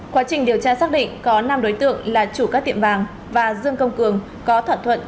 quá trình điều tra xác định có năm đối tượng là chủ các tiệm vàng và dương công cường có thỏa thuận